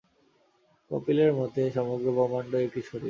কপিলের মতে সমগ্র ব্রহ্মাণ্ডই একটি শরীর।